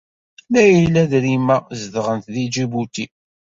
Layla d Rima zedɣent deg Ǧibuti.